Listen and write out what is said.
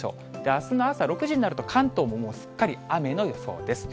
あすの朝６時になると、関東ももうすっかり雨の予想です。